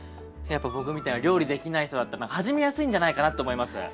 やっぱ僕みたいな料理できない人だったら始めやすいんじゃないかなと思います。